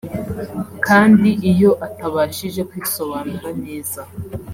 kandi iyo atabashije kwisobanura neza